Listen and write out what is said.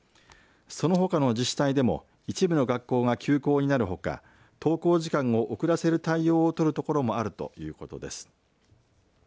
そのほかの自治体でも一部の学校が休校になるほか登校時間を遅らせる対応を取る所もあるということです。